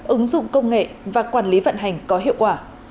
ứng dụng công nghệ và quản lý vận hành có hiệu quả